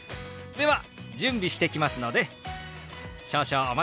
では準備してきますので少々お待ちください。